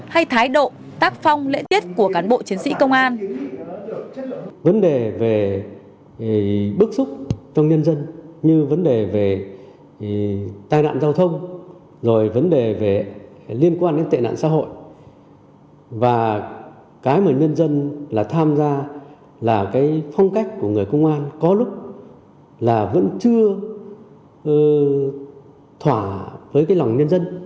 hay thái độ tác phong lễ tiết của cán bộ chiến sĩ công an